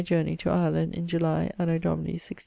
journey to Ireland in July, Anno Domini 166